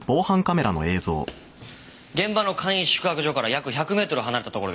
現場の簡易宿泊所から約１００メートル離れたところです。